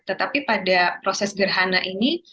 tetapi pada proses gerhana ini